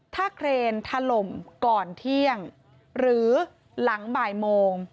ถ้าเครนถล่มก่อนเที่ยงหรือหลังบ่ายโมง